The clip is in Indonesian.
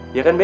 iya kan be